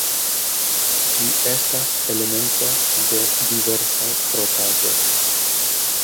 Ĝi estas elemento de diversaj rokaĵoj.